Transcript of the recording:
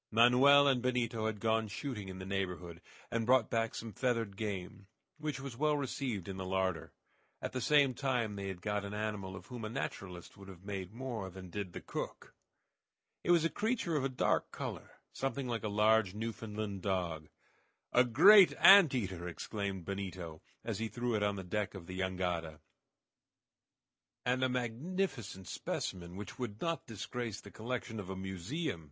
Manoel and Benito had gone shooting in the neighborhood, and brought back some feathered game, which was well received in the larder. At the same time they had got an animal of whom a naturalist would have made more than did the cook. It was a creature of a dark color, something like a large Newfoundland dog. "A great ant eater!" exclaimed Benito, as he threw it on the deck of the jangada. "And a magnificent specimen which would not disgrace the collection of a museum!"